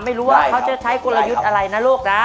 ไม่รู้ว่าเขาจะใช้กลยุทธ์อะไรนะลูกนะ